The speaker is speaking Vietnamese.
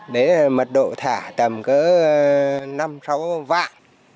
đấy là mật độ thả tầm có năm sáu vạn